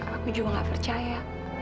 aku juga nggak percaya